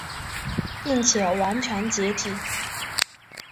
并且完全解体。